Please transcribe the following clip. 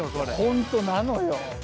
本当なのよ。